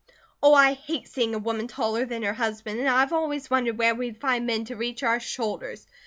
"Oh, I hate seeing a woman taller than her husband and I've always wondered where we'd find men to reach our shoulders.